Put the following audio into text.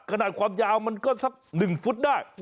กระดาษความยาวมันก็สักหนึ่งฟุตได้